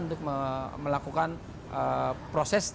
untuk melakukan proses